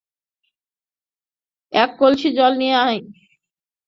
এক কলসি জল নিয়ে আয়।